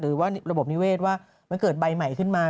หรือว่าระบบนิเวศว่ามันเกิดใบใหม่ขึ้นมา